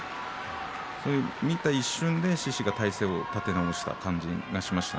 見た一瞬で獅司が体勢を立て直した感じに見えました。